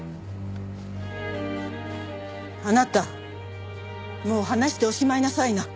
あなたもう話しておしまいなさいな。